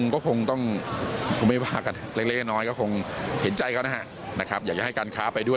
ก็คงต้องคงไม่ว่ากันเล็กน้อยก็คงเห็นใจเขานะครับอยากจะให้การค้าไปด้วย